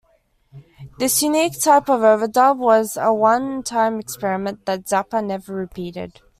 This unique type of overdub was a one-time experiment that Zappa never repeated.